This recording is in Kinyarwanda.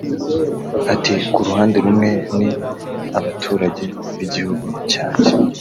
Ati “Ku ruhande rumwe ni abaturage b’igihugu cyanjye